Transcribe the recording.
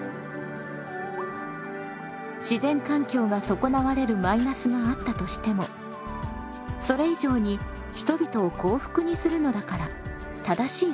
自然環境が損なわれるマイナスがあったとしてもそれ以上に人々を幸福にするのだから正しい選択と言えます。